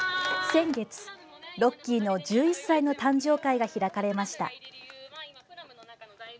先月、ロッキーの１１歳の誕生会が開かれました。